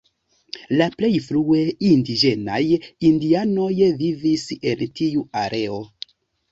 La plej frue indiĝenaj indianoj vivis en tiu areo.